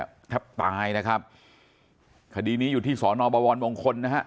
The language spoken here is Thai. แทบตายนะครับคดีนี้อยู่ที่สอนอบวรมงคลนะฮะ